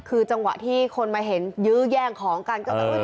คือจังหวะที่คนมาเห็นยื้อแย่งของกันก็แบบเออเออเออเออเออเออ